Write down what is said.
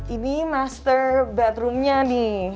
ini master bedroomnya nih